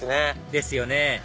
ですよね